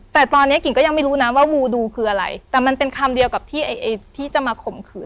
แต่ตอนนี้กิ่งก็ยังไม่รู้นะว่างูดูคืออะไรแต่มันเป็นคำเดียวกับที่ไอ้ที่จะมาข่มขืน